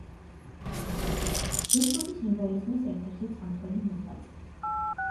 რუსული სიმბოლიზმის ერთ-ერთი წამყვანი მოღვაწე.